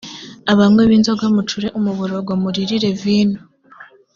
abanywi b’inzoga mucure umuborogo muririre vino